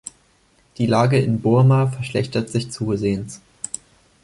Die Lage in Burma verschlechtert sich zusehends.